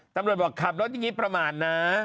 ตำรวจบอกขับรถอย่างนี้ประมาทนะ